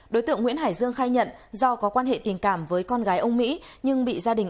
đối tượng nguyễn hải dương khai nhận do có quan hệ tình cảm với con gái ông mỹ nhưng bị gia đình